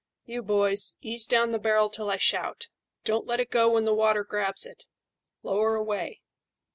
You, boys, ease down the barrel till I shout. Don't let it go when the water grabs it. Lower away.